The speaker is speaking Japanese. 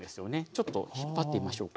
ちょっと引っ張ってみましょうか。